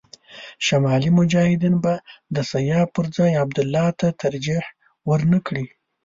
شمالي مجاهدین به د سیاف پر ځای عبدالله ته ترجېح ور نه کړي.